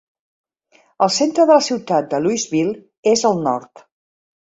El centre de la ciutat de Louisville és al nord.